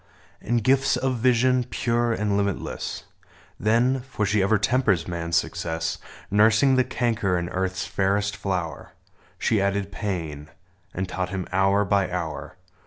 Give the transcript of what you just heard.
And gifts of vision, pure and limitless : Then — for she ever tempers man's success, Nursing the canker in Earth's fairest flower — She added pain ; and taught him, hour by hour.